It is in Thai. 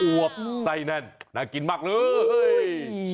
วบไส้แน่นน่ากินมากเลย